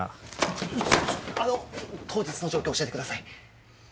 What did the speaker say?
ちょあの当日の状況を教えてください。